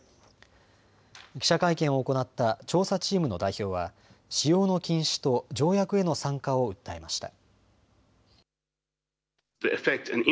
記者会見を行った調査チームの代表は使用の禁止と条約への参加を訴えました。